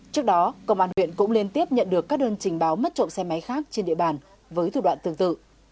trước đó công an huyện cũng liên tiếp nhận được các đơn trình báo mất trộm xe máy khác trên địa bàn với thủ đoạn tương tự